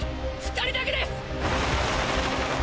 ２人だけです！